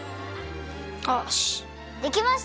よしできました！